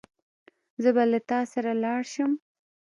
زه به له تا سره لاړ شم.